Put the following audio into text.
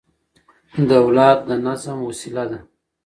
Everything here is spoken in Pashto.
دولت د نظم وسيله ده.